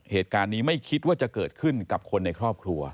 เหตุการณ์นี้ไม่คิดว่าจะเกิดขึ้นกับคนในครอบครัว